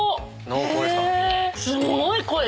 すごい濃い。